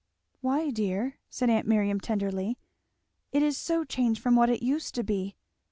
"Why, dear?" said aunt Miriam, tenderly. "It is so changed from what it used to be!"